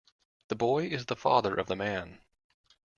The boy is the father of the man.